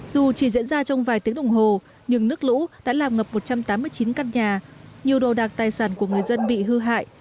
dù chỉ diễn ra trong vài tiếng đồng hồ nhưng nước lũ đã làm ngập một trăm tám mươi chín căn nhà nhiều đồ đạc tài sản của người dân bị hư hại